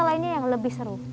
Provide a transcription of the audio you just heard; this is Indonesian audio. sebagai dayanya yang lebih seru